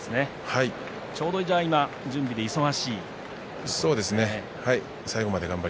今ちょうど準備で忙しいところですね。